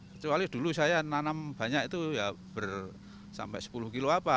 kecuali dulu saya nanam banyak itu ya sampai sepuluh kilo apa